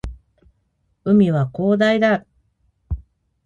海は広大だ